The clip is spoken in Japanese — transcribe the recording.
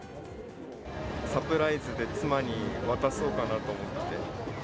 サプライズで妻に渡そうかなと思って。